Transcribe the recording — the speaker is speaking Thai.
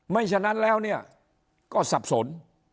ฉะนั้นแล้วเนี่ยก็สับสน